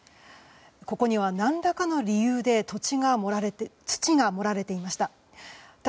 ここには何らかの理由で土が盛られていました。